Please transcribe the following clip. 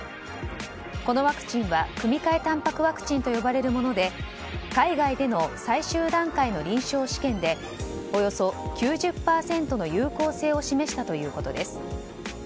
このワクチンは組換えタンパクワクチンと呼ばれるもので海外での最終段階の臨床試験でおよそ９０％の有効性を示したということです。